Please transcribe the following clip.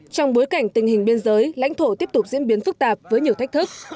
trong bối cảnh tình hình biên giới lãnh thổ tiếp tục diễn biến phức tạp với nhiều thách thức